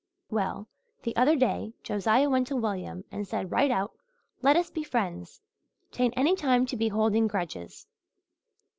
Well, the other day Josiah went to William and said right out, 'Let us be friends. 'Tain't any time to be holding grudges.'